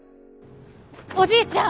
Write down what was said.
おじいちゃん！